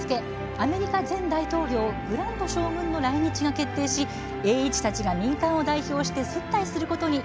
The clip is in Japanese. アメリカ前大統領グラント将軍の来日が決定し栄一たちが民間を代表して接待することに。